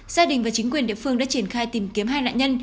gia đình và chính quyền địa phương đã triển khai tìm kiếm hai nạn nhân